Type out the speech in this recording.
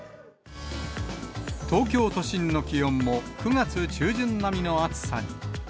東京都心の気温も９月中旬並みの暑さに。